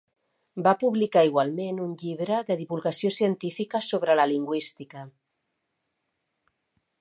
Va publicar igualment un llibre de divulgació científica sobre la Lingüística.